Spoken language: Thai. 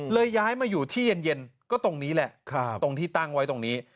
ย้ายมาอยู่ที่เย็นก็ตรงนี้แหละตรงที่ตั้งไว้ตรงนี้